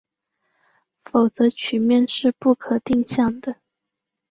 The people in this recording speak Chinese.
否则曲面是不可定向的。